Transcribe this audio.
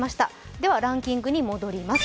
ではランキングに戻ります。